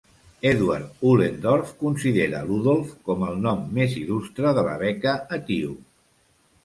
Edward Ullendorff considera Ludolf com "el nom més il·lustre de la beca etíop".